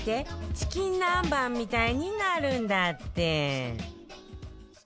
チキン南蛮みたいになるんだって